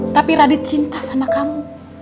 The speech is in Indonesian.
tapi radit cinta sama kamu